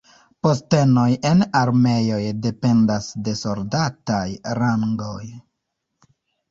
Postenoj en armeoj dependas de soldataj rangoj.